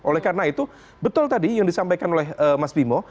oleh karena itu betul tadi yang disampaikan oleh mas bimo